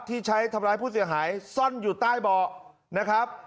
ที่ใช้ทำร้ายผู้เสียหายซ่อนอยู่ใต้บอร์